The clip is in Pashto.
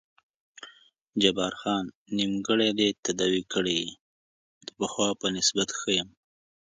جبار خان: نیمګړی دې تداوي کړی یې، د پخوا په نسبت ښه یم.